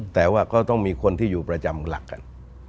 แต่ว่าก็ต้องมีคนที่อยู่ประจำหลักกัน